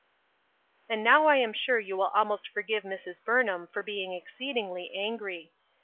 And now I am sure you will almost forgive Mrs. Burnham for being exceedingly angry.